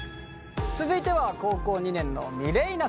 続いては高校２年のミレイナさん。